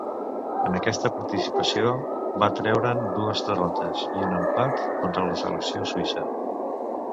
En aquesta participació va treure'n dues derrotes i un empat contra la selecció suïssa.